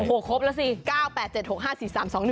โอ้โหครบแล้วสิ